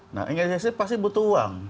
nah ingin eksis pasti butuh uang